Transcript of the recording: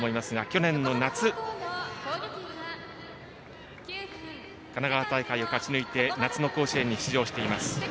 去年の夏神奈川大会を勝ち抜いて夏の甲子園に出場しています。